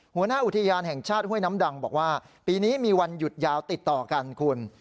หัวหน้าอุทยานแห่งชาติห้วยน้ำดังบอกว่าปีนี้มีวันหยุดยาวติดต่อกันคุณ